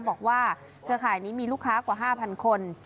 เครือข่ายนี้มีลูกค้ากว่า๕๐๐คน